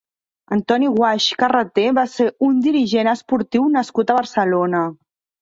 Antoni Guasch Carreté va ser un dirigent esportiu nascut a Barcelona.